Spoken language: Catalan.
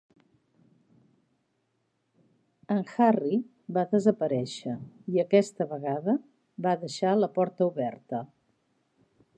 En Harry va desaparèixer i aquesta vegada va deixar la porta oberta.